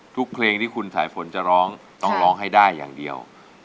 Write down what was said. เพลงที่คุณสายฝนจะร้องต้องร้องให้ได้อย่างเดียว